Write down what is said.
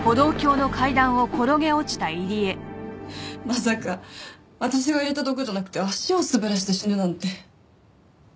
まさか私が入れた毒じゃなくて足を滑らせて死ぬなんて。